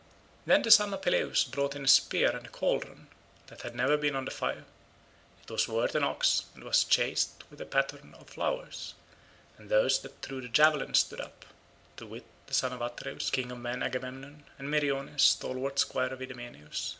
Then the son of Peleus brought in a spear and a cauldron that had never been on the fire; it was worth an ox, and was chased with a pattern of flowers; and those that throw the javelin stood up—to wit the son of Atreus, king of men Agamemnon, and Meriones, stalwart squire of Idomeneus.